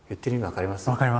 分かります。